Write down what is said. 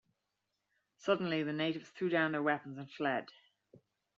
Suddenly, the natives threw down their weapons and fled.